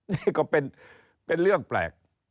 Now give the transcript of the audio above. นี่ก็เป็นเรื่องแปลก